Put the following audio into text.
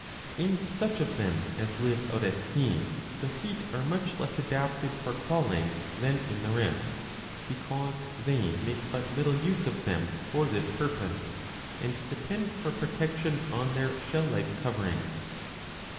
In such of them as live out at sea, the feet are much less adapted for crawling than in the rest, because they make but little use of them for this purpose and depend for protection on their shell like covering.